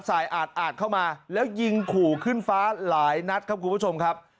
อาดอาดเข้ามาแล้วยิงขู่ขึ้นฟ้าหลายนัดครับคุณผู้ชมครับ